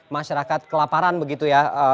masyarakat kelaparan begitu ya